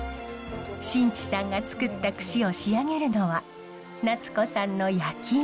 新地さんが作った櫛を仕上げるのは奈津子さんの焼き印。